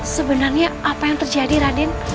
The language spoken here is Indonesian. sebenarnya apa yang terjadi raden